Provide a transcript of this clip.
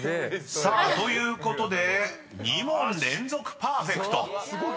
［さあということで２問連続パーフェクト］